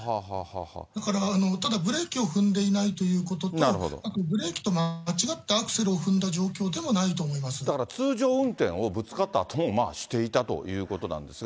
だからただ、ブレーキを踏んでいないということと、あとブレーキと間違ってアクセルを踏んでる状態でもないと思いまだから通常運転をぶつかったあともしていたということなんですが。